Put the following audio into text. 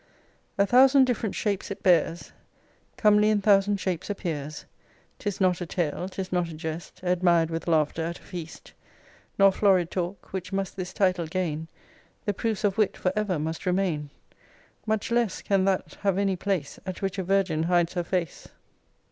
A thousand diff'rent shapes it bears; Comely in thousand shapes appears. 'Tis not a tale, 'tis not a jest, Admir'd with laughter at a feast, Nor florid talk, which must this title gain: The proofs of wit for ever must remain. Much less can that have any place At which a virgin hides her face.